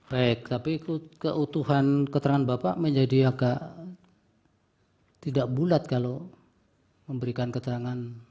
baik tapi keutuhan keterangan bapak menjadi agak tidak bulat kalau memberikan keterangan